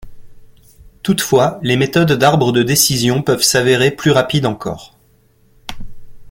Toutefois, les méthodes d'arbre de décision peuvent s'avérer plus rapides encore.